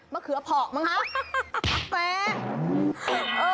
มะเขือผอกมั้งคะแป๊บแป๊บ